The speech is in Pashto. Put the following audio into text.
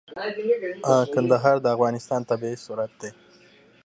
کندهار د افغانستان طبعي ثروت دی.